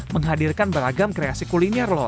menghadirkan beragam kreasi kuliner loh